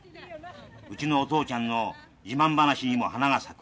うちのお父ちゃんの自慢話にも花が咲く。